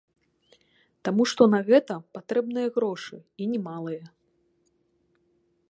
Таму што на гэта патрэбныя грошы, і немалыя.